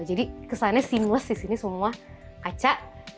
jadi kesannya seamless disini semua kaca